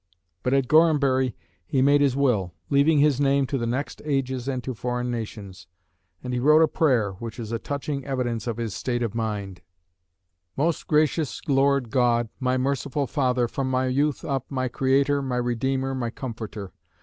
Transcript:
But at Gorhambury he made his will, leaving "his name to the next ages and to foreign nations;" and he wrote a prayer, which is a touching evidence of his state of mind "Most gracious Lord God, my merciful Father, from my youth up, my Creator, my Redeemer, my Comforter.